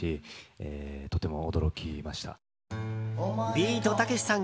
ビートたけしさん